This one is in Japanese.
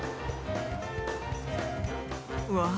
うわ！